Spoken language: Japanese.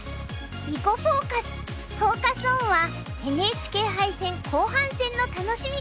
「囲碁フォーカス」フォーカス・オンはＮＨＫ杯戦後半戦の楽しみ方を紹介します。